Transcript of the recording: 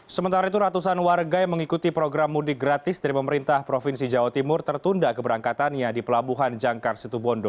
sementara itu ratusan warga yang mengikuti program mudik gratis dari pemerintah provinsi jawa timur tertunda keberangkatannya di pelabuhan jangkar situbondo